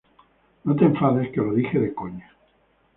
No te enfades que lo dije de coña